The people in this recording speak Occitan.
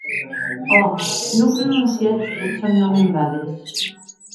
Ò!, non prononciètz eth sòn nòm en bades!